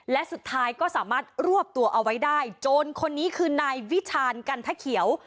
และสุดท้ายก็สามารถรวบตัวเอาไว้ได้โจรคนนี้คือนายวิชาณกันทะเขียว